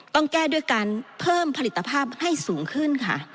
ต้องแก้ด้วยการเพิ่มผลิตภาพให้สูงขึ้นค่ะ